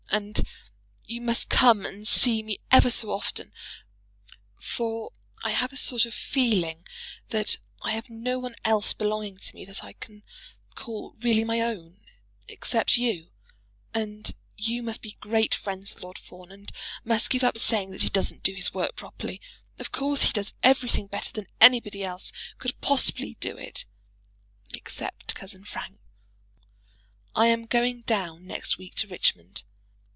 And you must come and see me ever so often; for I have a sort of feeling that I have no one else belonging to me that I can call really my own, except you. And you must be great friends with Lord Fawn, and must give up saying that he doesn't do his work properly. Of course he does everything better than anybody else could possibly do it, except Cousin Frank. I am going down next week to Richmond.